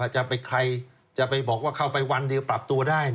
ใครจะไปบอกว่าเข้าไปวันเดียวปรับตัวได้